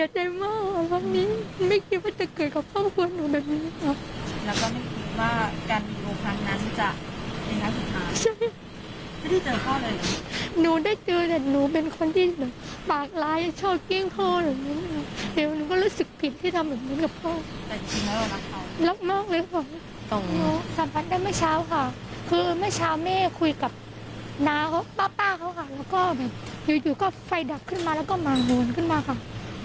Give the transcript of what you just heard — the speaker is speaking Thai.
สัมภัณฑ์ได้ไม่เช้าค่ะคือไม่เช้าไม่ให้คุยกับน้าพ่อป้าเขาค่ะแล้วก็แบบอยู่ก็ไฟดับขึ้นมาแล้วก็มาหวนขึ้นมาค่ะ